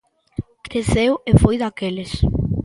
Creceu e foi daqueles.